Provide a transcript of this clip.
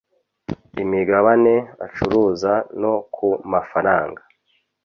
imigabane acuruza no ku mafaranga